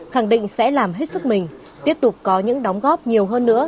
khẳng định sẽ làm hết sức mình tiếp tục có những đóng góp nhiều hơn nữa